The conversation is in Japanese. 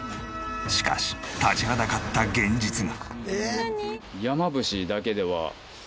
しかし立ちはだかった現実が。